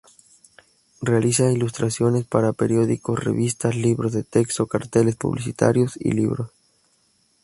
Realiza ilustraciones para periódicos, revistas, libros de texto, carteles publicitarios y libros.